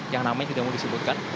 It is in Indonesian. yang namanya sudah mau disebutkan